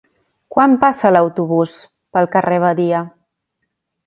Quan passa l'autobús pel carrer Badia?